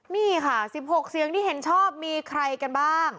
นี่ค่ะ๑๖เสียงที่เห็นชอบมีใครกันบ้าง